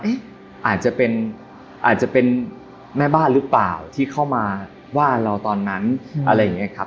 อาจจะเป็นอาจจะเป็นแม่บ้านหรือเปล่าที่เข้ามาว่าเราตอนนั้นอะไรอย่างนี้ครับ